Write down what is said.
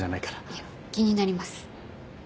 いや気になります。